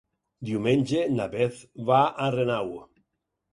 Diumenge na Beth va a Renau.